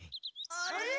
あれ？